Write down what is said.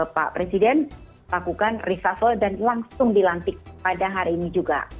pak presiden lakukan reshuffle dan langsung dilantik pada hari ini juga